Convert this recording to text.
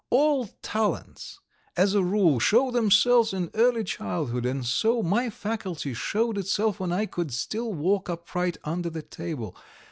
All talents, as a rule, show themselves in early childhood, and so my faculty showed itself when I could still walk upright under the table.